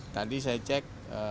tadi saya cek